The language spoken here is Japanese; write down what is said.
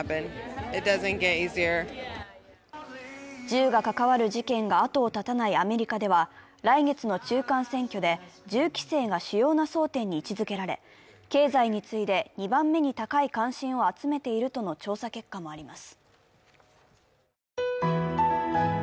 銃が関わる事件があとを絶たないアメリカでは、来月の中間選挙で銃規制が主要な争点に位置づけられ経済に次いで、２番目に高い関心を集めているとの調査結果もありま